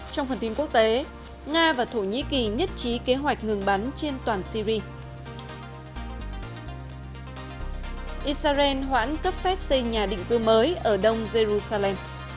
trong phần tin quốc tế nga và thổ nhĩ kỳ nhất trí kế hoạch ngừng bắn trên toàn syri